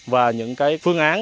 và những cái phương án